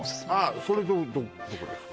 あそれどこですか？